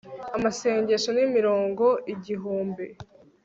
amasengesho n'imirongo igihumbi